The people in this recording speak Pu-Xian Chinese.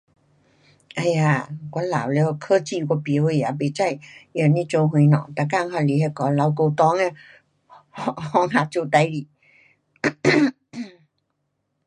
唉呀我老了，科技我甭晓啊，甭知用来做什么，每天还是那个老古董的方，方法做事情。